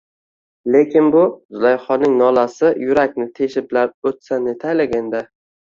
Lekin, bu Zulayhoning nolasi yurakni teshiblar oʻtsa netaylik endi...